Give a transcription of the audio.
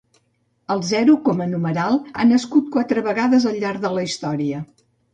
El zero com a numeral ha nascut quatre vegades al llarg de la història.